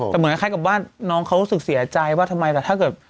แบบไหนขั้นกับนะวาดน้องเขารู้สึกเสียใจว่าทำไมแบบถ้าเกิด